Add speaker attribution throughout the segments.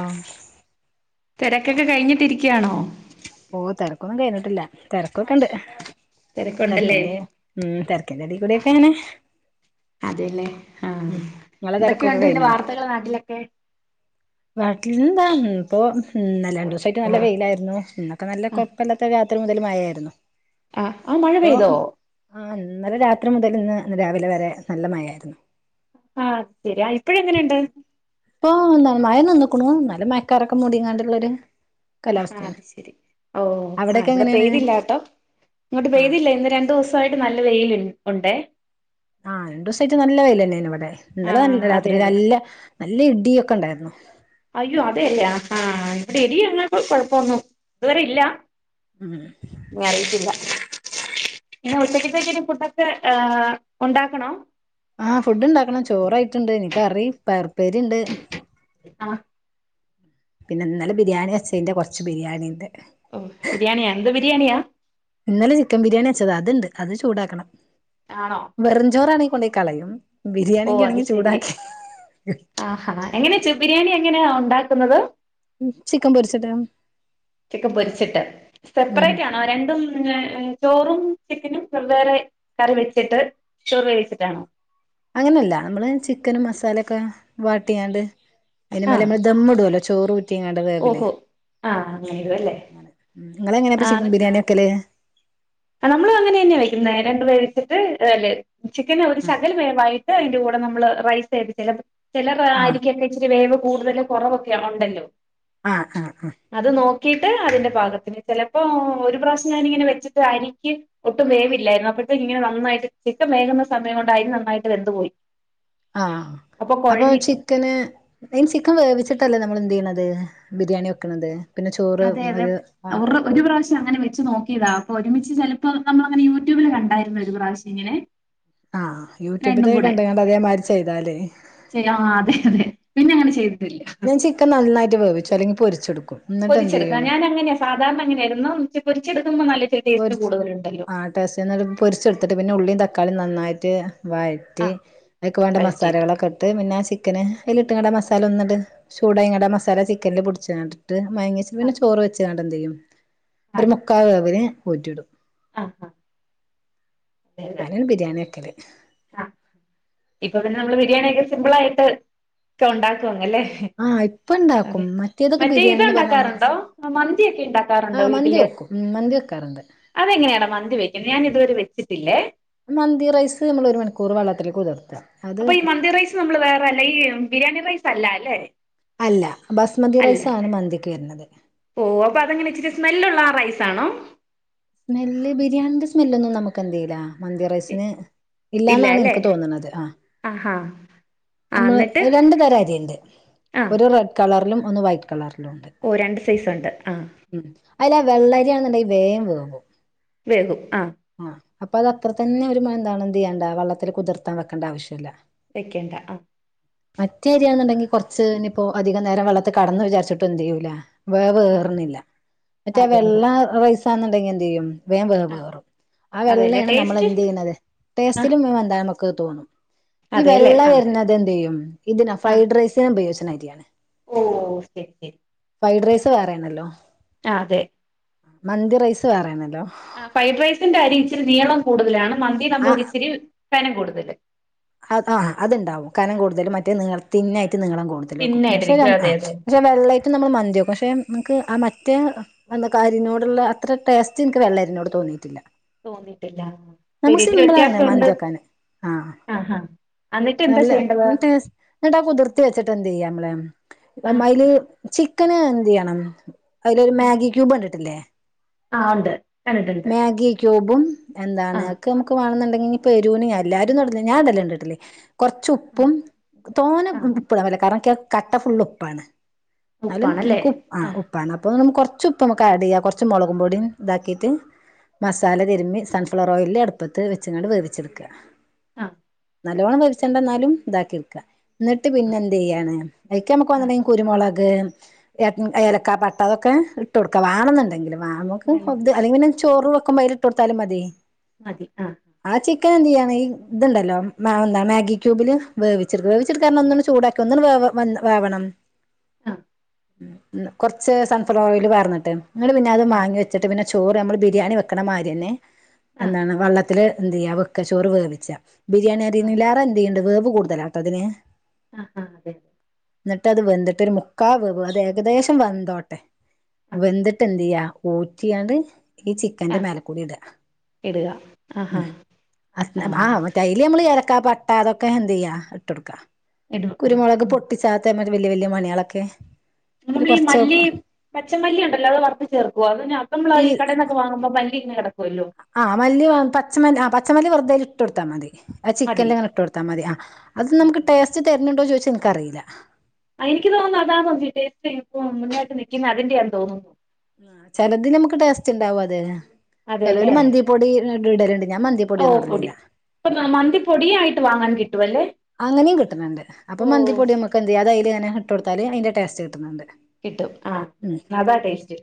Speaker 1: ആഹ്
Speaker 2: തെരക്കൊക്കെ കഴിഞ്ഞിട്ടിരിക്കാണോ?
Speaker 1: ഓഹ് തെരക്കൊന്നും കഴിഞ്ഞിട്ടില്ല തെരക്കൊക്കെ ഇണ്ട്
Speaker 2: തിരക്കുണ്ടല്ലേ
Speaker 1: തെരക്കിന്റെ ഉം തെരക്കിന്റെ അടി കൂടി ഒക്കെങ്ങനെ
Speaker 2: അതേലേ ആഹ്
Speaker 1: നിങ്ങളെ തിരക്കൊക്കെ
Speaker 2: എന്തൊക്കെയുണ്ട് പിന്നെ
Speaker 1: കഴിഞ്ഞോ
Speaker 2: വാർത്തകള് നാട്ടിലൊക്കെ
Speaker 1: നാട്ടിലെന്താ ഇപ്പൊ നല്ല രണ്ടു ദിവസായിട്ട് നല്ല വെയിലായിരുന്നു ക്ക നല്ല
Speaker 2: ആഹ്
Speaker 1: കൊഴപ്പല്ലാത്ത രാത്രി മുതല് മയ ആയിരുന്നു
Speaker 2: ആഹ് ആ മഴ
Speaker 1: ഇപ്പൊ
Speaker 2: പെയ്തോ
Speaker 1: ആഹ് ഇന്നലെ രാത്രി മുതല് ഇന്ന് രാവിലെ വരെ നല്ല മയ ആയിരുന്നു
Speaker 2: ആഹ് ശരിയാ ഇപ്പഴ എങ്ങനെ ഇണ്ട്
Speaker 1: ഇപ്പൊ മഴ നിന്നക്ണു ന്നാലു മയക്കാറൊക്കെ മൂടിങ്ങാണ്ടുള്ളൊരു
Speaker 2: അഹ് ആഹ്
Speaker 1: കാലാവസ്ഥയാണ്
Speaker 2: അത് ശെരി ഓഹ് ആഹ്
Speaker 1: അവിടെയൊക്കെ
Speaker 2: ഇവിടെ
Speaker 1: എങ്ങനെയാണ്
Speaker 2: പെയ്തിലാട്ടോ ഇങ്ങോട്ട്
Speaker 1: ആഹ്
Speaker 2: പെയ്തില്ലെ ഇന്ന് രണ്ടു ദിവസായിട്ട് നല്ല വെയിൽ ഉണ്ടെ.
Speaker 1: ആഹ് രണ്ടോസായിട്ട് നല്ല വെയ്ലെന്നെനി ഇവ്ടെ ഇന്നലെ
Speaker 2: ആഹ്
Speaker 1: നല്ല
Speaker 2: അതെ
Speaker 1: രാത്രി
Speaker 2: അതെ
Speaker 1: നല്ല നല്ല ഇടി ഒക്കെ ഉണ്ടായിരുന്നു.
Speaker 2: അയ്യോ അതേല്ല ആഹ് ഇവിടെ ഇടി അങ്ങനത്തെ കൊഴപ്പമൊന്നു ഇതുവരെ ഇല്ല.
Speaker 1: ഉം.
Speaker 2: ഇഞ്ഞറിയത്തില്ല. പിന്നെ ഉച്ചക്കത്തേക്കിനി ഫുഡൊക്കെ ഹ് ഉണ്ടാക്കണം?
Speaker 1: ആഹ് ഫുഡ് ഇണ്ടാക്കണം ചോറായിട്ടുണ്ട് ഇനി കറി പയർപ്പേരിണ്ട്.
Speaker 2: ആഹ്.
Speaker 1: പിന്നെ ഇന്നലെ ബിരിയാണി വെച്ചതിന്റെ കൊറച്ച് ബിരിയാണിണ്ട്.
Speaker 2: ഉം ബിരിയാണിയ എന്ത് ബിരിയാണിയാ?
Speaker 1: ഇന്നലെ ചിക്കൻ ബിരിയാണി വെച്ചതാ അത്ണ്ട് അത് ചൂടാക്കണം.
Speaker 2: ആണോ?
Speaker 1: വെറുംചോറാണെങ്കി കൊണ്ടോയി കളയും.
Speaker 2: ഓ
Speaker 1: ബിരിയാണിയൊക്കെ
Speaker 2: അത്
Speaker 1: ആണെങ്കി
Speaker 2: ശരി
Speaker 1: ചൂടാക്കി
Speaker 2: ആഹാ എങ്ങനെയ ചു ബിരിയാണി എങ്ങനെയാ ഉണ്ടാക്കുന്നത്?
Speaker 1: ചിക്കൻ പൊരിച്ചത്.
Speaker 2: ചിക്കൻ പൊരിച്ചിട്ട്
Speaker 1: ഉം
Speaker 2: സെപ്പറേറ്റ് ആ ആ രണ്ടും ഹ്മ് ചോറും ചിക്കനും വെവ്വേറെ കറി വെച്ചിട്ട്. ഷോർ വേവ്ച്ചിട്ടാണോ?
Speaker 1: അങ്ങനെയല്ല നമ്മള് ചിക്കനും മസാലൊക്കെ വാട്ടിയാണ്ട്. അയിന്റെ മേലെ
Speaker 2: ആഹ്
Speaker 1: നമ്മള് ദമ്മുടല്ലോ ചോറ് ഊറ്റിങ്ങാണ്ട് വേവ്‌ല്
Speaker 2: ഓഹോ ആഹ് അങ്ങനെ. ഇടും അല്ലേ
Speaker 1: ഇങ്ങളെങ്ങനെയാപ്പ ചിക്കൻ ബിരിയാണി വെക്കൽ?
Speaker 2: ആ നമ്മളും അങ്ങനെ ന്നെയാ വെക്കുന്നത് രണ്ട് വേവ്ച്ചിട്ട് ഹ് ചിക്കന് ഒരു ശകല വേവായിട്ട്. ട്ട് അയ്ന്റെ കൂടെ നമ്മള് റൈസ് [unintelligible] ചെല റാ
Speaker 1: ആഹ്
Speaker 2: ആരിക്കൊക്കെ. ചിരി വേവ് കൂടുതലും കുറവൊക്കെ ഉണ്ടല്ലോ.
Speaker 1: ആഹ് ആഹ്
Speaker 2: അത് നോക്കിട്ട് അതിന്റെ പാകത്തിന് ചെലപ്പോ ഒരു പ്രാവ്ശ്യം ഞാനിങ്ങനെ വെച്ചിട്ട് അരിക്ക്. ഒട്ടും വേവില്ലായിരുന്നു അപ്പഴത്തെക്ക് ഇങ്ങനെ നന്നായിട്ട് ചിക്കൻ വേകുന്ന സമയ കൊണ്ട അരി നന്നായിട്ട് വെന്തുപോയി.
Speaker 1: ആഹ് അപ്പൊ ചിക്കന്. അയ്ന് ചിക്കൻ വേവിച്ചിട്ടല്ലേ നമ്മൾ എന്തെയ്യ്ണത് ബിരിയാണി വെക്ക്ണത് പിന്നെ ചോറ്
Speaker 2: അതെ അതെ
Speaker 1: ഒര് ഹാഫ്.
Speaker 2: ഒരു ഒരു പ്രാവ്ശ്യം അങ്ങനെ വെച്ച് നോക്കിയതാ അപ്പൊ ഒരുമിച്ച് ചെലപ്പോ നമ്മള അങ്ങനെ യൂട്യൂബില് കണ്ടായിരുന്നു ഒരു പ്രാവ്ശ്യം ഇങ്ങനെ.
Speaker 1: ആഹ്
Speaker 2: രണ്ടും
Speaker 1: യൂട്യൂബിത്തെക്കെ
Speaker 2: കൂടെ
Speaker 1: കണ്ടങ്ങാണ്ട് അതേമാതിരി ചെയ്താലേ.
Speaker 2: ചെയ്യാ ആ അതെ അതെ പിന്നെ അങ്ങനെ ചെയ്തിട്ടില്ല.
Speaker 1: ഞാൻ ചിക്കൻ നന്നായിട്ട് വേവിച്ചു അല്ലങ്കി പൊരിച്ചെടുക്കും. എന്നിട്ട് എന്ത്
Speaker 2: പൊരിച്ചെടുക്ക
Speaker 1: ചെയ്യും
Speaker 2: ഞാൻ അങ്ങനാ ക സാധാരണ അങ്ങനെയായിരുന്നു പൊരിച്ചെടുക്കുമ്പോ നല്ല. ടേസ്റ്റ്
Speaker 1: പൊരിച്ച്
Speaker 2: കൂടുതലുണ്ടല്ലോ
Speaker 1: ആ ടേസ്റ്റന്നെ അത് പൊരിച്ചെടുത്തിട്ട് പിന്നെ ഉള്ളിയും തക്കാളിയും നന്നായിട്ട് വഴ
Speaker 2: ആ
Speaker 1: റ്റി അയ്ക്ക് വേണ്ട
Speaker 2: വഴറ്റിയിട്ട്
Speaker 1: മസാലകളൊക്കെ ഇട്ട് പിന്നെ ചി ക്കന് അയ്ൽട്ട്ങ്ങാണ്ട് ആ മസാല ഒന്നുണ്ട് ചൂടായ്ങ്ങാണ്ട് ആ മസാല ചിക്കനില് പുട്ച്ച്ങ്ങാണ്ട്. ട്ട് മാങ്ങിച്
Speaker 2: ആ
Speaker 1: പിന്നെ ചോറ് വെച്ചാണ്ട എന്തയ്യും ഒരു മുക്കാ വേവ്ന് ഊറ്റിടും.
Speaker 2: ആഹ് ഹാ.
Speaker 1: ങ്ങനെ ബിരിയാണി വെക്കല്.
Speaker 2: ആഹ്. ഇപ്പൊ പിന്നെ നമ്മള് ബിരിയാണി യൊക്കെ സിമ്പിൾ ആയിട്ട് ഒക്കെ ഉണ്ടാക്കു അല്ലേ.
Speaker 1: ആഹ് ഇപ്പ ഇണ്ടാക്കും
Speaker 2: അതെ
Speaker 1: മറ്റേതൊക്കെ
Speaker 2: മറ്റേ ഇത്
Speaker 1: ബിരിയാണിന്ന് പറഞ്ഞ നമ്മള്
Speaker 2: ഉണ്ടാക്കാറുണ്ടോ മന്തിയൊക്കെ ഉണ്ടാക്കാറുണ്ടോ
Speaker 1: ആഹ് മന്തി
Speaker 2: വീട്ടില്?
Speaker 1: വെക്കും ഉം മന്തി വെക്കാറുണ്ട്.
Speaker 2: അതെങ്ങനെയാടാ മന്തി വയ്ക്കുന്നത് ഞാൻ ഇതുവരെ വെച്ചിട്ടില്ലേ.
Speaker 1: മന്തി റൈസ് നമ്മൾ ഒരു മണിക്കൂർ വെള്ളത്തിൽ കുതിർത്ത. അത്
Speaker 2: അപ്പൊ ഈ മന്തി റൈസ് നമ്മള് വേറെല്ല ഈ ബിരിയാണി റൈസ് അല്ല ല്ലെ.
Speaker 1: അല്ല ബസ്മതി റൈസാണ് മന്തിക്ക് വര്ന്നത്.
Speaker 2: ഓഹ് അതങ്ങനെ ഇപ്പൊ ച്ചിരി സ്മെല്ലുള്ള ആ റൈസാണോ?
Speaker 1: സ്മെല്ല് ബിരിയാണിന്റെ സ്മെല് ഒന്നും നമുക്ക് എന്ത് ചെയുല മന്തി റൈസിന്.
Speaker 2: ഇല്ല
Speaker 1: ഇല്ലാന്നാണ്
Speaker 2: അല്ലേ
Speaker 1: ഇനിക്ക് തോന്നുന്നത് ആ
Speaker 2: ആഹാ ആ
Speaker 1: നമ്മള്
Speaker 2: എന്നിട്ട്
Speaker 1: രണ്ടു തരം അരി ഇണ്ട്
Speaker 2: ആ
Speaker 1: ഒരു റെ കളറിലും ഒന്ന് വൈറ്റ് കളറിലും ഉണ്ട്.
Speaker 2: ഓ രണ്ട് സൈസ് ഉണ്ട് ആ
Speaker 1: ഉം അയില് വെള്ളരിയാണ് ന്നിണ്ടെങ്ക വേഗം വേകും.
Speaker 2: വേകും ആ
Speaker 1: ആഹ അപ്പൊ അത് അത്ര തന്നെ ഒരു എന്താണ്ത് ചെയ്യേണ്ട വെള്ളത്തില് കുതിർത്താ വെക്കേണ്ട ആവശ്യല്ല.
Speaker 2: വെക്കേണ്ട ആ
Speaker 1: മറ്റേ അരിയാണെന്നുണ്ടങ്കി കുറച്ച് ഇനിയിപ്പോ അധികം നേരം വെള്ളത്ത് കെടന്നു വിചാരിച്ചിട്ടും എന്തയ്യൂല. വേ
Speaker 2: ആ
Speaker 1: വേറ്ന്നില്ല മറ്റേ
Speaker 2: അതെ അതെ
Speaker 1: വെള്ള റൈസാന്നുണ്ടെങ്കിൽ എന്തയ്യും. വേം വേ
Speaker 2: ആ
Speaker 1: വേവും ആ
Speaker 2: അതെല്ലേ
Speaker 1: വെള്ളയാണ് നമ്മൾ
Speaker 2: ടേസ്റ്റ്
Speaker 1: എന്ത് ചെയ്യുന്നത്
Speaker 2: ആ
Speaker 1: ടേസ്റ്റിലും എന്ത. [unintelligible] ഈ
Speaker 2: അതെല്ലേ
Speaker 1: വെള്ള
Speaker 2: ആ
Speaker 1: വരുന്നുന്നത് എന്തയ്യും ഇതിന് ഫ്രൈഡ് റൈസിന് ഉപയോഗിച്ചിനരിയാണ്.
Speaker 2: ഓഓ ശരി ശരി
Speaker 1: ഫ്രൈഡ് റൈസ് വേറെണല്ലോ?
Speaker 2: ആഹ് അതെ.
Speaker 1: മന്തി റൈസ് വേറെണല്ലോ?
Speaker 2: ആ ഫ്രൈഡ് റൈസിന്റെ അരി ഇച്ചിരി നീളം കൂടുതലാണ് മന്തി
Speaker 1: ആ
Speaker 2: നമ്മൾ ഇച്ചിരി കനം കൂടുതല്.
Speaker 1: അ ആ അത്ണ്ടാവും കനം കൂടുതലും മറ്റേ നി തിന്നായിട്ട് നീളം
Speaker 2: തിന്നായിട്ടിരിക്കും
Speaker 1: കൂടുതലും
Speaker 2: അതെ
Speaker 1: ആ
Speaker 2: അതെ
Speaker 1: പക്ഷേ വെള്ളേട്ടും നമ്മൾ മന്തി വെക്കും പക്ഷെ നമുക്ക് ആ മറ്റേ അന്ന കാരിനോടുള്ള അത്ര ടേസ്റ്റ് നിക്ക് വെള്ളരിനോട് തോന്നിയിട്ടില്ല.
Speaker 2: തോന്നിട്ടില്ല.
Speaker 1: നമുക്ക് സിമ്പിളാണ് മന്തിക്കാന് ആഹ
Speaker 2: ആ ഹാ എന്നിട്ട് എന്താ
Speaker 1: നല്ല
Speaker 2: ചെയ്യേണ്ടത്
Speaker 1: ടേ എന്നിട്ടാ കുതിർത്തി വെച്ചിട്ട് എന്തയ്യാം നമ്മളെ
Speaker 2: ആ
Speaker 1: മല് ചിക്കന് എന്ത് ചെയ്യണം. അതിലൊരു
Speaker 2: ആ
Speaker 1: മാഗി ക്യൂബ് കണ്ടിട്ടില്ലേ?
Speaker 2: ആ ഉണ്ട് കണ്ടിട്ടുണ്ട്
Speaker 1: മാഗി ക്യൂബും
Speaker 2: ആ
Speaker 1: എന്താണ്. ഒക്കെ നമുക്ക് വേണന്നുണ്ടെങ്കി എരുന് എല്ലാരും ഇടലില്ല ഞാൻഇടല്ണ്ടെടി കൊറച്ച് ഉപ്പും. തോന്ന
Speaker 2: ആ
Speaker 1: ഉപ്പിടാൻ പറ്റുല്ല കാരണം കട്ട ഫുള്ള് ഉപ്പാണ്. ന്നാലും എനക്ക് ഉ ആ ഉപ്പാണ് അപ്പൊ ന്ന് കൊറ. ചുപ്പ് നമുക്ക് ആഡ് ചെയ്യാ കുറച്ച് മുളകും പൊടിയും ഇതാക്കിയിട്ട് മസാലതിരുമ്പി സൺഫ്ലവർ റോല്ല അടുപ്പത്ത് വെച്ച്ങ്ങാട് വേവിച്ചെടുക്ക.
Speaker 2: ആഹ്
Speaker 1: നല്ലോണ്ണം വേവിച്ചണ്ട ന്നാലും ഇതാക്കി എടുക്ക എന്നിട്ട് പിന്നെ എന്ത് ചെയ്യാണ് അതിക്ക് നമുക്ക്
Speaker 2: ആ
Speaker 1: വേണന്നുണ്ടെങ്കി കുരുമുളക്.
Speaker 2: ആ
Speaker 1: ഏലക്ക പട്ട അതൊക്കെ ഇട്ട് കൊടുക്ക വാണം നി എന്തെങ്കിലും നമുക്ക്
Speaker 2: വേണമെങ്കിൽ
Speaker 1: അല്ലെങ്കി ചോറ് വെക് ബൊ അയില ഇട്ട് കൊടുത്താലും മതി.
Speaker 2: മതി ആ
Speaker 1: ആ ചിക്കൻ എന്തു ചെയ്യാണ് ഈ ഇതു ഇണ്ടല്ലോ എന്താ മാഗി ക്യുബില് വേവിച്ചിട്ക്ക വേവിച്ച് ട്ക്കാന്നറഞ്ഞാൽ ഒന്നിങ്ങനെ ചൂടാക്കി. ക്ക ഒന്ന് ങ്ങട്ട് വേവണം.
Speaker 2: ആ
Speaker 1: കുറച്ച് സൺഫ്ലവർ ഓയില് പാറന്നിട്ട് ന്നിട്ട് പിന്നെ അത്
Speaker 2: ആ
Speaker 1: വാങ്ങി വെച്ചിട്ട് പിന്നെ ചോറ് നമ്മൾ ബിരിയാണി വെക്കണമാതിരി തന്നെ.
Speaker 2: ആ
Speaker 1: എന്താണ് വെള്ളത്തിൽ എന്തയ്യാ വെക്കച്ചോറ് വേവിച്ച ബിരിയാണി
Speaker 2: ആ
Speaker 1: അരില്ലാ റെ എന്ത് ചെയ്യ്ണ്ട് വേവ് കൂടുതലാണ്. അതിന്
Speaker 2: ആ ആ അതെ
Speaker 1: എന്നിട്ട് അത് വെന്തിട്ട് ഒരു മുക്കാവേ വിൽ അത് ഏകദേശം വെന്തോട്ടെ.
Speaker 2: അതെ
Speaker 1: വെന്തിട്ട് എന്തയ്യാ ഊറ്റിയാണ്ട് ഈ
Speaker 2: ആ
Speaker 1: ചിക്കന്റെ മേലക്കൂടി ഇടുക.
Speaker 2: ഇടുക. ആ
Speaker 1: ഉ
Speaker 2: ഹാ
Speaker 1: [unintelligible]
Speaker 2: ആ
Speaker 1: അമ്മള് ഏലക്ക പട്ട അതൊക്കെ എന്ത് ചെയ്യാ ഇട്ട് കൊടുക്ക
Speaker 2: ഇടുക ഇടുക
Speaker 1: കുരുമുളക് പൊ
Speaker 2: ഉം
Speaker 1: ട്ടിച്ചാത്ത വലയ വലയ മണികളൊക്കെ. അതില്
Speaker 2: നമ്മളീ
Speaker 1: കുറച്ച്
Speaker 2: മല്ലി പച്ച മല്ലി ഉണ്ടല്ലോ അത് വറു ചേർക്കുവ അതിന് അത് നമ്മ
Speaker 1: ഇൽ
Speaker 2: ഈ കടൽന്നൊക്കെ വാങ്ങുമ്പോ [unintelligible] കിക്കുവല്ലോ
Speaker 1: ആ മല്ലി പച്ച മല്ലി ആ പച്ച മല്ലി വെറുതെൽ ഇട്ട് കൊടുത്താ മതി ആത്
Speaker 2: മതി
Speaker 1: ചിക്കൻങ്ങനെ ഇട്ട് കൊടുത്ത ത്താ മതി ആ അത് നമുക്ക്
Speaker 2: ആ
Speaker 1: ടേസ്റ്റ് തരുന്നുണ്ടോന്ന്ചോദിച്ച ഇൻക്ക റിയില്ല
Speaker 2: എനിക്ക് തോന്നുന്നു അതാ നേറ്റ് മുന്നട്ട് നിൽക്കുന്ന അതിന്റെന്ന് തോന്നുന്നു
Speaker 1: ചിലത് നമുക്ക് ടേസ്റ്റ് ഉണ്ടാവും അതെ ചിലര്
Speaker 2: അതെല്ലേ
Speaker 1: മന്തിപ്പൊടി ഇടലുണ്ട് ഞാൻ മന്തി
Speaker 2: ഓ പൊടി പ്പ മന്തി പൊടിയായിട്ട് വാങ്ങാൻ കിട്ടുവല്ലേ
Speaker 1: അങ്ങനെയും കിട്ടുന്നുണ്ട് അപ്പൊ
Speaker 2: ഓ
Speaker 1: മന്തിപ്പൊടി നമുക്ക് അത്എന്ത് ചെയ്യ അതിൽ ഇങ്ങനെ ഇട്ട് കൊടുത്താല് അതിന്റെ ടേസ്റ്റ് കിട്ടുന്നുണ്ട്
Speaker 2: കിട്ടും ആഹ
Speaker 1: ഉം
Speaker 2: അതാടേസ്റ്റ്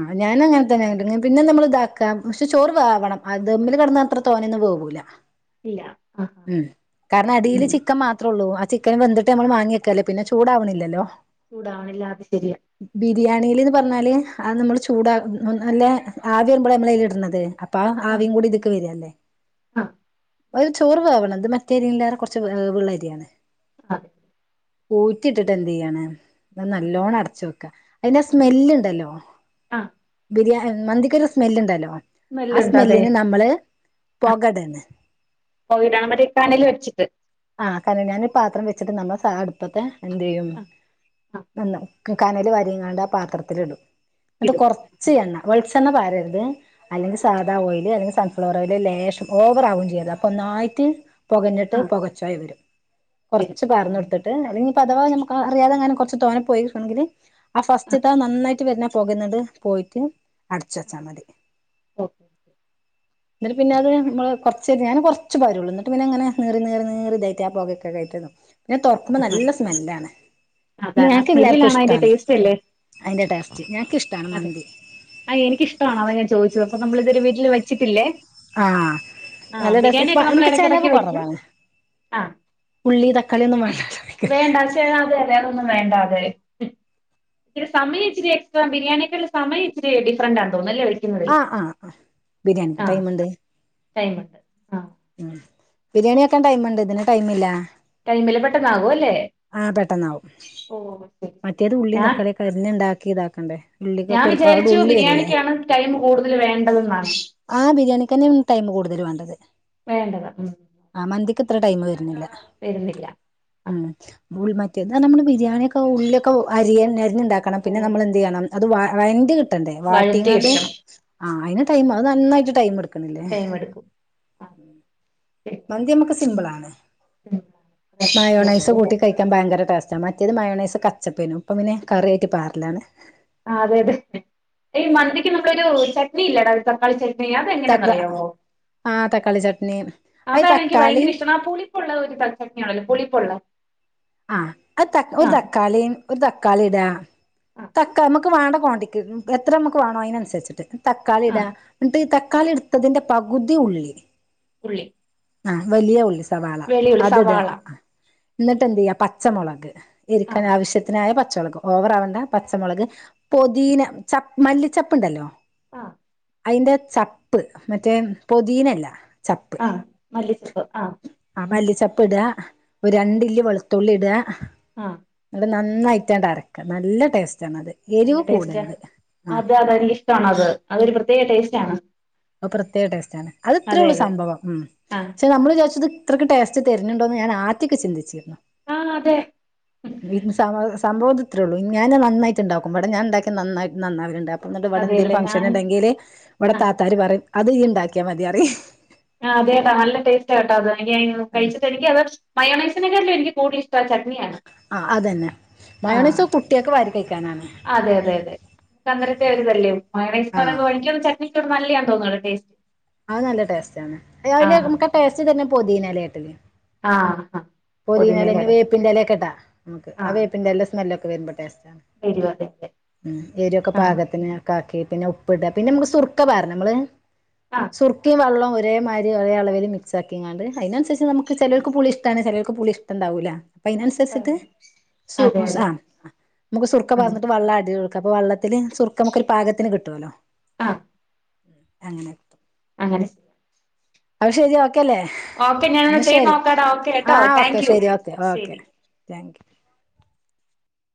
Speaker 1: ആ ഞാന അങ്ങനെ തന്നെ പിന്നെ നമ്മള ഇതാക്കാം പക്ഷെ ചോറ് വെവണം അത് ദമ്മില് കിന്നാല് അത്ര തോനേൊന്ന് പോവൂല ആഹ് [unintelligible]
Speaker 2: ഇല്ല ആഹ്
Speaker 1: ഉം അ അടിയിൽ
Speaker 2: ഉം
Speaker 1: ചിക്കൻ മാത്രേ ഉള്ളൂ ആ ചിക്കന് വെന്തിട്ട് നമ്മൾ മാങ്ങിവക്കല്ലേ പിന്നെ ചൂടാവണില്ലല്ലോ
Speaker 2: കൂടാളില്ലാ അത് ശരിയാ
Speaker 1: ബിരിയാണിൽന്ന് പറഞ്ഞാല് അത് നമ്മള് ചൂട നല്ല ആവി വരുമ്പോള നമ്മല്ടുന്നത് അപ്പ ആവിയും കൂടി ഇതി ക്ക്‌വരല്ലേ
Speaker 2: ആഹ
Speaker 1: ഒരു ചോറ് വേവണം അത് മറ്റേരില്ലതെകുറച്ച് വെവുള്ളരിയാണ്
Speaker 2: അഹ
Speaker 1: ഊറ്റി ഇട്ടിട്ട് എന്ത് ചെയ്യാനാ
Speaker 2: ആഹ്
Speaker 1: നല്ലോണം അടച്ചു വെക്ക് അതിന്റെ
Speaker 2: ആഹ്
Speaker 1: സ്മെല്ണ്ടല്ലോ
Speaker 2: ആഹ്
Speaker 1: ബിരിയാ മന്തിക്കരു സ് സ്മെല്ണ്ടല്ലോ ആ
Speaker 2: സ്മെല്ലുണ്ട് അതെ
Speaker 1: സ്മെല്ലിന് നമ്മള് പെകടല്‌
Speaker 2: കോവിഡാണ് മറ്റേ കനൽ വച്ചിട്ട്
Speaker 1: ആ കാണയാൻ പാത്രം വെച്ചിട്ട് നമ്മുടെ സാദഅടുപ്പത്തെ എന്ത് ചെയ്യും
Speaker 2: ആഹ് ആഹ്
Speaker 1: നിന്ന കനൽ വരിങ്ങാണ്ട് ആ പാത്രത്തില്ടും എന്നിട്ട്
Speaker 2: ഇടും
Speaker 1: കൊറച്ച് എണ്ണ വെളിച്ചെണ്ണ പറരത് അല്ലെങ്കിൽ സാദാ ഓയില് അല്ലെങ്കിൽ സൺഫ്ലവർ ഓയില് ലേശം ഓവർ ആവും ചെയ്യരുത് അപ്പൊ ഒന്നായിട്ട് പുകഞ്ഞിട്ട് ട്ത്ത്
Speaker 2: ആഹ്
Speaker 1: പുക ചെയവരും
Speaker 2: വരും
Speaker 1: കുറച്ച് പറന്നുടുട്ട്ല്ലെങ്കിൽ പദവ നമുക്ക് അറിതെങ്ങാനും കുറച്ച് തോനെ പോയി ണെങ്കിൽ ആ ഫസ്റ്റ്ത നന്നായിട്ട് വരുന്ന പോകുന്നത് പോയിട്ട് അടച്ച് വച്ചാമ്മതി
Speaker 2: ഓക്കെ
Speaker 1: എന്നിട്ട് പിന്നെത് മ്മള് കൊറച്ചേ ഞൻ കുറച്ച് പരുള്ളൂ ന്നട്ട്‌പിന്നെ ഇങ്ങനെ നീറി നീറി നീറി ഇതറ്റ് ആ പോകക്കെ കഴിക്കണം ഞാൻ തോറക്കുമ്പോ
Speaker 2: ആഹാ
Speaker 1: നല്ല സ്മെല്ലാണ്
Speaker 2: അതാണ് ആ
Speaker 1: ഞങ്ങക്ക് എല്ലാർക്കും
Speaker 2: സ്മെല്ലിനാണ് അതിന്റെ
Speaker 1: ഇഷ്ടണ്
Speaker 2: ടേസ്റ്റ് അല്ലേ
Speaker 1: അയിന്റെ ടേസ്റ്റ് ഞങ്ങക്ക്ഷ്
Speaker 2: അതെ അ എനിക്കിഷ്ട അതാ ഞാൻ ചോയിച്ചത് അപ്പൊ നമ്മൾതൊരു വീട്ടിൽ വെച്ചിട്ടില്ലേ
Speaker 1: ആഹ
Speaker 2: ആ
Speaker 1: നല്ല രസ ഇപ്പ
Speaker 2: ബിരിയാണിയൊക്കെ നമ്മൾ
Speaker 1: എൻക്ക്
Speaker 2: ഇടയ്ക്കിടയ്ക്ക്
Speaker 1: ചെലവ്
Speaker 2: വെക്കും
Speaker 1: കുറവാണ് ഉള്ളി തക്കളിന്നും വേണ്ട
Speaker 2: വേണ്ട ചെ അതെ അതെ അതൊന്നും വേണ്ട തെ ഇ സമയ ഇച്ചിരി എകസ്ട്ര [unintelligible] ബിരിയാണിക്കുള്ള സമയം ഇച്ചരി ഡിഫറന്റാ തോന്നുന്നുല്ല
Speaker 1: ആഹ് ആഹ്‌ ബിരിയാണിക്ക് ടൈമ്ണ്ട്
Speaker 2: ടൈമുണ്ട് ആ
Speaker 1: ഉം ബിരിയാണിക്കാൻ ടൈഇണ്ട് ഇതിന് ടൈമ് ല്ല
Speaker 2: ടൈമില് പെട്ടെന്നാകും അല്ലേ
Speaker 1: ആഹ പെട്ടെന്നാവും
Speaker 2: ഓ ശരി ശരി
Speaker 1: മറ്റേത് ഉള്ളിയും
Speaker 2: ഞാ
Speaker 1: തക്കാളിയെക്കെ അരിഞ്ഞ്ണ്ടാക്കി ഇതാക്കണ്ടേ
Speaker 2: ഞാൻ
Speaker 1: ഉള്ളിക്കൊക്കെ ഒരുപാട്
Speaker 2: വിചാരിച്ചു
Speaker 1: ഉള്ളി വരൂല്ലേ
Speaker 2: ബിരിയാണിക്കാണ് ടൈം കൂടുതൽ വേണ്ടതെന്നാണ്
Speaker 1: ആഹ് ബിരിയാണിക്ക്ന്നെ ടൈം കൂടുതൽ വേണ്ടത്
Speaker 2: വേണ്ടത് ഉം
Speaker 1: ആഹ് മന്തിക്ക് ഇത്ര ടൈം വര്ന്നില്ല
Speaker 2: വെര്ന്നില്ല
Speaker 1: ഉം ഉൾ മറ്റേന്ന് പറഞ്ഞ നമ്മള് ബിരിയാണിയൊക്കെ ഉള്ളിക്കെ അരിയ അരിഞ്ഞ്ണ്ടാക്കണം പിന്നെ
Speaker 2: ഓ
Speaker 1: നമ്മൾ എന്ത് ചെയ്യണം അത് വ വരണ്ട്കിട്ടണ്ടേ വാട്ടിങ്ങാണ്ട്
Speaker 2: വഴറ്റിയെടുക്കണം
Speaker 1: ആ അയിന് ടൈം അത് നന്നായിട്ട് ടൈം എടുക്കും.
Speaker 2: ടൈമെടുക്കും.
Speaker 1: മന്തി നമ്മക്ക് സിമ്പിളാണ് മയോണൈസ് കൂട്ടി കഴിക്കാൻ ഭയങ്കര ടേസ്റ്റ്. മറ്റേത് മയോണെസും കച്ചപ്പെനു ഇപ്പ പിന്നെ കറിയായിട്ട് പാരലാണ്.
Speaker 2: ആ അതെ അതെ ഈ മന്തിക്ക് നമ്മളൊരു ചട്നിഇല്ലെടാ ഒരു തക്കാളി ചട്നി. എയ്
Speaker 1: തക്ക
Speaker 2: അതെങ്ങനാെന്നറിയോ
Speaker 1: ആ തക്കാളി ചട്നി അത്
Speaker 2: അതാണ് എനിക്ക് ഭയങ്കര
Speaker 1: തക്കാളീം
Speaker 2: ഇഷ്ടമാണ് ആ പുളി പ്പുള്ള ഒരു തക്കാൽ ചട്നിയാണല്ലോ പുളിപ്പുളേ
Speaker 1: ആഹ അത് ഒരു തക്കാളി ഒരു തക്കാളി ഇടാ
Speaker 2: ആ
Speaker 1: തക്കാളി മ്മക്ക് വേണ്ട ക്വാണ്ടിറ്റക്ക്‌ എത്ര നമുക്ക് വേണോ അതിനനുസരിച്ചിട്ട് തക്കാളി
Speaker 2: ആ
Speaker 1: ഇടാ എന്നി്ട്ട് തക്കാളിട് തിന്റെ പകുതി ഉള്ളി.
Speaker 2: ഉള്ളി.
Speaker 1: ആ വലിയ ഉള്ളി സവാള
Speaker 2: വെളിയുള്ളി സവാള
Speaker 1: അത്ടാ. എന്നിട്ട് എന്ത് ചെയ്യാ പച്ചമുളക്
Speaker 2: ആ
Speaker 1: എരിക്കാൻ ആവശ്യത്തിനായ പച്ചമുളകും. ഓവറാവണ്ട പച്ചമുളക് പൊതിനാ ചപ്പ് മല്ലി ചപ്പുണ്ടല്ലോ?
Speaker 2: ആഹ.
Speaker 1: അതിന്റെ ചപ്പ് മറ്റേ പൊതിനെല്ല ചപ്പ്.
Speaker 2: ആ മല്ലിചെപ്പ് ആ.
Speaker 1: ആ മല്ലിച്ചപ്പ് ഇടാ ഒരു രണ്ടില്ലി വെളുത്തുള്ളി ഇടാ.
Speaker 2: ആ.
Speaker 1: ന്നട്ട് നന്നായിട്ടാണ്ട് അരക്ക നല്ല ടേസ്റ്റ് ആണത്.
Speaker 2: നല്ല ടേസ്റ്റ് ആ അതെ നിക്കിഷ്ടാണു അത് അതൊരു പ്രത്യേക ടേസ്റ്റ് ആണ്.
Speaker 1: അ പ്രത്യേക ടേസ്റ്റേണ് അത് ഇത്രേ ഉള്ളൂ
Speaker 2: അതെ
Speaker 1: സംഭവം ഉം
Speaker 2: ആ
Speaker 1: പക്ഷെ നമ്മള് വിചാരിച്ചത് ഇത്രക്ക് ടേസ്റ്റ് തരുന്നുുണ്ടോന്ന് ഞാൻ ആദ്യക്കെ ചന്തിച്ചിരുന്നു.
Speaker 2: ആഹ അതെ.
Speaker 1: ഇത് സംഭവതിത്രെള്ളൂ ഞാൻ നന്നായിട്ടുണ്ടാക്കും വിടെ ഞാൻ ഉണ്ടാക്കിയ നന്നായി നന്നാവലുണ്ട്. ഇന്നിട്ട് ഇവിടെ എന്തരു
Speaker 2: അതെയല്ലേ
Speaker 1: ഫംഗ്ഷൻ
Speaker 2: ഞാൻ
Speaker 1: ഉണ്ടെങ്കില് ഇവിടെ
Speaker 2: ആ
Speaker 1: താത്താര് പറയും അത് ഇയ് ഉണ്ടാക്കിയ മതിറിയും.
Speaker 2: ആ അതെ കേട്ടാ നല്ല ടേസ്റ്റ് കേട്ട അത് എനിക്ക് കഴിച്ചിട്ട് എനിക്ക്‌ അത് മയോണസിനെക്കാൾ എനിക്ക് കൂടുതൽഷ്ടം. ക്ക്‌ ആ ചട്നിയാണ്.
Speaker 1: ആ അതന്നെ
Speaker 2: ആ
Speaker 1: മയോണീസ്‌ കുട്ടിയൊക്ക്‌ വാരി കഴിക്കാനാണ്.
Speaker 2: അതെ അതെ അതെ അന്നേരത്തെ ഒരുതല്ലേ മയോണസ്‌ന്ന്
Speaker 1: ആ
Speaker 2: പറയുമ്പോൾ എനിക്ക് തോന്നുന്നു ചട്നി. എനിക്കൊയാ നല്ലായാ തോന്നുന്നു ടേസ്റ്റ്.
Speaker 1: അത് നല്ല ടേസ്റ്റ് ആണ്
Speaker 2: ആ
Speaker 1: അതില് നമുക്ക് ടേസ്റ്റ് തരുന്നത് പൊതിനെലയിട്ട്ണ്.
Speaker 2: ആഹ ആഹ.
Speaker 1: പോതിനെല വേപ്പിന്റെലക്കെടാം നമക്ക് ആ വേപ്പിന്റെലെന്റെ സ്മെല്ലൊക്കെ വരുമ്പോ ടേസ്റ്റ്.
Speaker 2: എരിവ് അതെ അതെ
Speaker 1: ഉമ് എരിക്കെ
Speaker 2: ആ
Speaker 1: പാകത്തിന്. നാക്കി പിന്നെ ഉപ്പ് ഇടാ പിന്നെ നമുക്ക് സുർക്കാ പാരണാ നമ്മള്
Speaker 2: ആ
Speaker 1: സുർക്കിം വെള്ളവും ഒരേമാരിക്ക് ഒരേ അളവിൽ മിക്സാക്കിങ്ങാണ്ട് അതിനനുസരിക്ക് നമ്മക്ക് ചിലോർക്ക് പുളി ഇഷ്ടമാണ് ചിലർക്ക് പുളി ഇഷ്ടണ്ടാവില്ല. അപ്പൊ അയിനനുസരിച്ചിട്ട്
Speaker 2: ഇഷ്ടമല്ലേ
Speaker 1: സു
Speaker 2: അതെ
Speaker 1: സ
Speaker 2: അതെ
Speaker 1: ആ നമുക്ക് സുർക്ക പാർന്നിട്ട്
Speaker 2: ആ
Speaker 1: വെള്ളം ആടെയ്തുകൊടുക്കാം അപ്പൊ വെള്ളത്തിൽ സുർക്ക മ്മക്ക് പാകത്തിന് കിട്ടുവല്ലോ.
Speaker 2: ആഹ.
Speaker 1: അങ്ങനെ. കിട്ടും.
Speaker 2: അങ്ങനെ ചെ
Speaker 1: അത് ശെരി ഓക്കെല്ലേ
Speaker 2: ഓക്കെ ഞാനത്
Speaker 1: എന്ന
Speaker 2: ചെയ്ത്
Speaker 1: ശരി
Speaker 2: നോക്കാടാ ഓക്കെ കേട്ടോ
Speaker 1: ആഹ ഓക്കെ
Speaker 2: താങ്ക് യു
Speaker 1: ശരി ഓക്കെ ഓക്കെ.
Speaker 2: ശരി
Speaker 1: താങ്ക് യു.